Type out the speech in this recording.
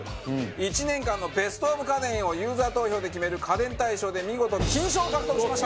１年間のベストオブ家電をユーザー投票で決める家電大賞で見事金賞を獲得しました。